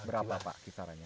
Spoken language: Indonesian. berapa pak kisarannya